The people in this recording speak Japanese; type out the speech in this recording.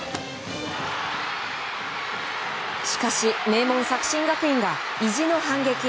しかし、名門・作新学院が意地の反撃。